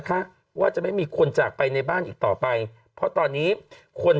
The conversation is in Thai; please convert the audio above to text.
คะว่าจะไม่มีคนจากไปในบ้านอีกต่อไปเพราะตอนนี้คน